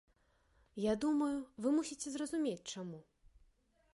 Я думаю, вы мусіце разумець, чаму.